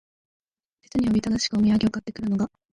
実におびただしくお土産を買って来るのが、